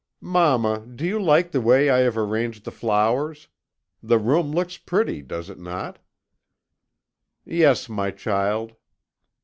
"'Mamma, do you like the way I have arranged the flowers? The room looks pretty, does it not?' "'Yes, my child.'